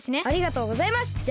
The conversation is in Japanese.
ありがとうございます！